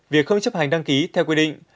việc không chấp hành đăng ký theo quy định